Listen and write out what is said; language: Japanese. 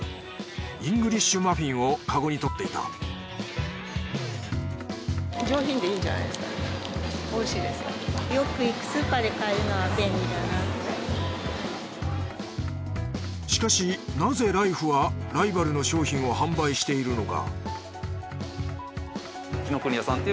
イングリッシュマフィンをカゴにとっていたしかしなぜライフはライバルの商品を販売しているのか？